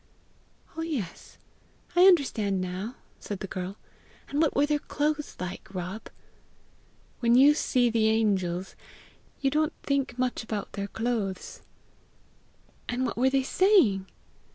"Oh, yes! I understand now!" said the girl. "And what were their clothes like, Rob?" "When you see the angels, you don't think much about their clothes." "And what were they saying?"